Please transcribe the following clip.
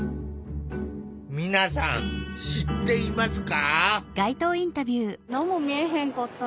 皆さん知っていますか？